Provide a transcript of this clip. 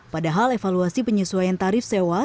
padahal evaluasi penyesuaian tarif sewa